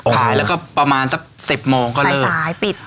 ขายแล้วก็ประมาณสักสิบโมงก็เลิกซ้ายซ้ายปิด